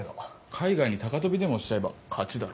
海外に高飛びでもしちゃえば勝ちだろ。